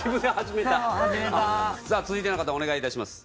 さあ続いての方お願い致します。